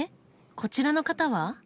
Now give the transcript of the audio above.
こちらの方は？